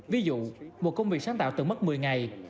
ví dụ một công việc sáng tạo từng mất một mươi ngày